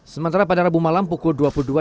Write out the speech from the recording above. sementara pada rabu malam pukul dua puluh dua